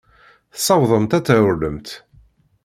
Tessawḍemt ad trewlemt.